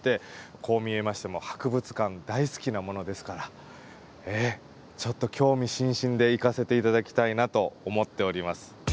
こう見えましても博物館大好きなものですからええちょっと興味津々で行かせて頂きたいなと思っております。